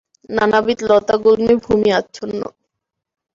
নানাবিধ লতাগুল্মে ভূমি আচ্ছন্ন।